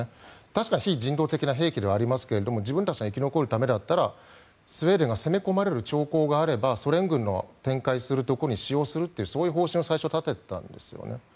確かに非人道的な兵器ですが自分たちが生き残るためならスウェーデンが攻め込まれる兆候があるならソ連軍の展開するところに使用するという方針を最初、立てていたんですよね。